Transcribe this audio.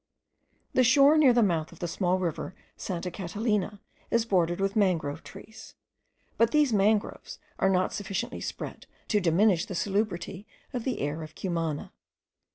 The shore near the mouth of the small river Santa Catalina is bordered with mangrove trees,* but these mangroves are not sufficiently spread to diminish the salubrity of the air of Cumana.